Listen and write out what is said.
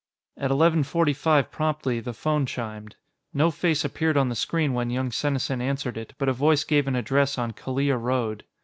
At eleven forty five promptly, the phone chimed. No face appeared on the screen when young Senesin answered it, but a voice gave an address on Kalia Road.